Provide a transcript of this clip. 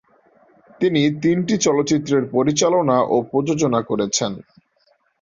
তিনি তিনটি চলচ্চিত্রের পরিচালনা ও প্রযোজনা করেছেন।